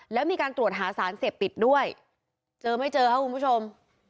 แล้วมีการตรวจหาสารเสพติดด้วยเจอไม่เจอครับคุณผู้ชม